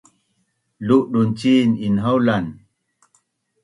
Ludun cin inhaulan